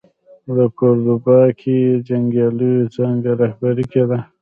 د کوردوبا کې د جنګیاليو څانګه رهبري کېده.